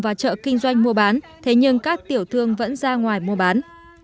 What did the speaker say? và chợ kinh doanh mua bán thế nhưng các tiểu thương vẫn ra ngoài mua bán